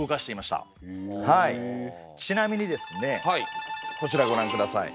ちなみにですねこちらご覧ください。